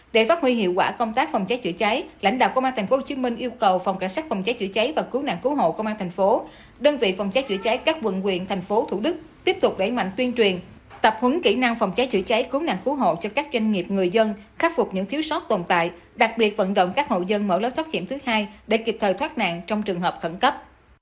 để phát huy hiệu quả công tác phòng cháy chữa cháy lãnh đạo công an tp hcm yêu cầu phòng cảnh sát phòng cháy chữa cháy và cứu nạn cứu hộ công an tp hcm đơn vị phòng cháy chữa cháy các vận quyền tp thủ đức tiếp tục đẩy mạnh tuyên truyền tập hứng kỹ năng phòng cháy chữa cháy cứu nạn cứu hộ cho các doanh nghiệp người dân khắc phục những thiếu sót tồn tại đặc biệt vận động các hậu dân mở lối thoát hiểm thứ hai để kịp thời thoát nạn trong trường hợp khẩn cấp